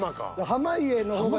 濱家の方が。